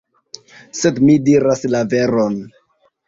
Sed mi diras la veron!